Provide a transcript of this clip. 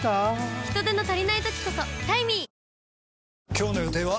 今日の予定は？